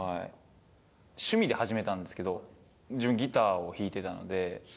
趣味で始めたんですけど、自分、ギターを弾いてたので。